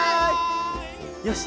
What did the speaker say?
よし！